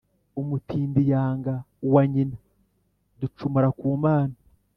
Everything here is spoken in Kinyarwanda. umutindi yanga uwa nyina. ducumura ku mana